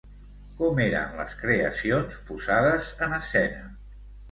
Com eren les creacions posades en escena?